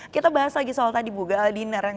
kita bahas lagi soal tadi bu gala dinner